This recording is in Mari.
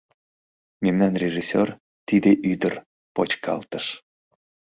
Мемнам режиссёр — тиде ӱдыр — почкалтыш.